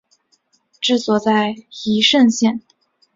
治所在宜盛县。